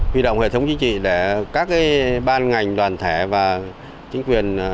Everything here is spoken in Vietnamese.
huy động hệ thống chính trị để các ban ngành đoàn thể và chính quyền